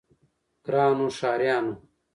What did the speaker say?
ګرانو ښاريانو!